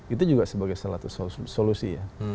itu juga sebagai salah satu solusi ya